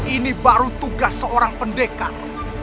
ini baru tugas seorang pendekar